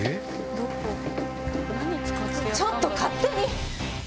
ちょっと勝手に！